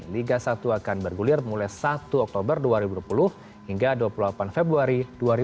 liga satu akan bergulir mulai satu oktober dua ribu dua puluh hingga dua puluh delapan februari dua ribu dua puluh